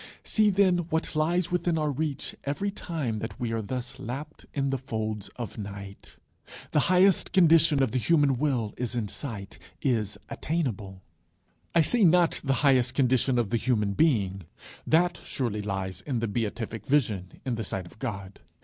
See, then, what lies within our reach every time that we are thus lapt in the folds of night. The highest condition of the human will is in sight, is attainable. I say not the highest condition of the Human Being; that surely lies in the Beatific Vision, in the sight of God.